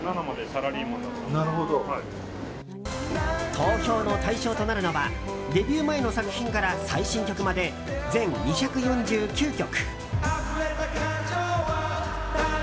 投票の対象となるのはデビュー前の作品から最新曲まで、全２４９曲。